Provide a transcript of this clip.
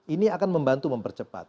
ini akan membantu mempercepat